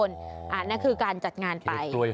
นั่นคือการจัดงานไป